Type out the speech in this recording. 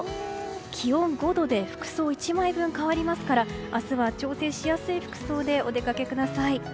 気温５度で服装１枚分変わりますから明日は調整しやすい服装でお出かけください。